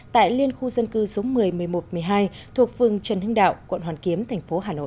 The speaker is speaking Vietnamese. tại liên khu dân cư số một mươi một mươi một một mươi hai thuộc phường trần hưng đạo quận hoàn kiếm thành phố hà nội